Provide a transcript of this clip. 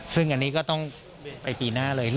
ซึ่งอันนี้ก็ต้องไปปีหน้าเลย